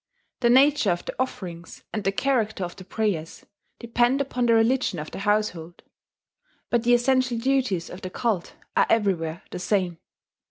The nature of the offerings and the character of the prayers depend upon the religion of the household; but the essential duties of the cult are everywhere the same.